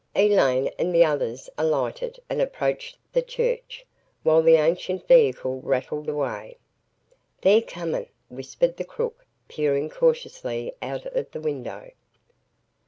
Elaine and the others alighted and approached the church, while the ancient vehicle rattled away. "They're coming," whispered the crook, peering cautiously out of the window.